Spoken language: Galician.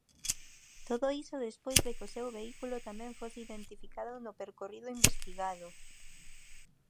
Todo iso despois de que o seu vehículo tamén fose identificado no percorrido investigado.